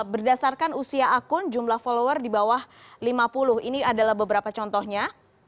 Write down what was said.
berdasarkan usia akun jumlah follower di bawah lima puluh ini adalah beberapa contohnya